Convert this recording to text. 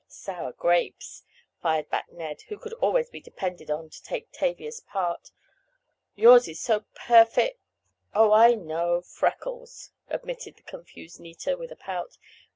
"Sour grapes," fired back Ned, who could always be depended on to take Tavia's part. "Yours is so perfect—" "Oh, I know—freckles," admitted the confused Nita with a pout.